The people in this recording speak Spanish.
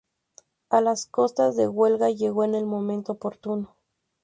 A las costas de Huelva llegó en el momento oportuno.